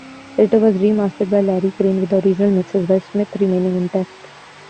It was remastered by Larry Crane, with the original mixes by Smith remaining intact.